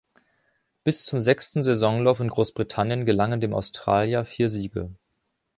Bis zum sechsten Saisonlauf in Großbritannien gelangen dem Australier vier Siege.